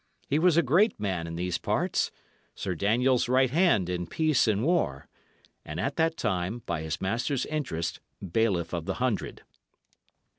He was a great man in these parts; Sir Daniel's right hand in peace and war, and at that time, by his master's interest, bailiff of the hundred.